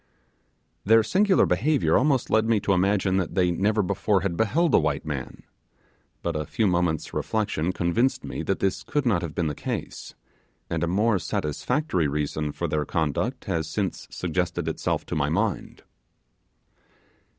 Their singular behaviour almost led me to imagine that they never before had beheld a white man; but a few moments' reflection convinced me that this could not have been the case; and a more satisfactory reason for their conduct has since suggested itself to my mind.